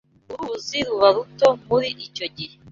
Uru ruzi ruba ruto muri icyo gihe